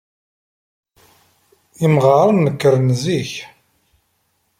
Imɣaren nekkren zik.